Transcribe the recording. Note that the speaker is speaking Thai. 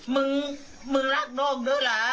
มึงมึงรักน่มด้วยเหรอ